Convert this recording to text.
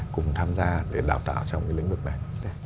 cũng tham gia để đào tạo trong lĩnh vực này